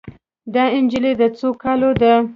دا نجلۍ د څو کالو ده